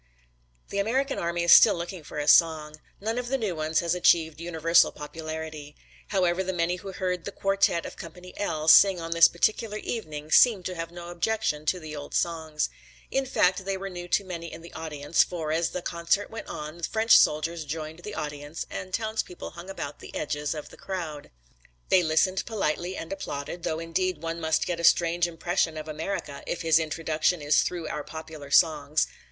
The American army is still looking for a song. None of the new ones has achieved universal popularity. However the many who heard the quartet of Company L sing on this particular evening seemed to have no objection to the old songs. In fact they were new to many in the audience for as the concert went on French soldiers joined the audience and townspeople hung about the edges of the crowd. They listened politely and applauded, though indeed one must get a strange impression of America if his introduction is through our popular songs.